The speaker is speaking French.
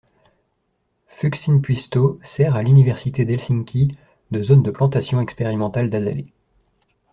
Fuksinpuisto sert à l'université d'Helsinki de zone de plantation expérimentale d'azalées.